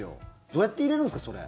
どうやっているんですか、それ。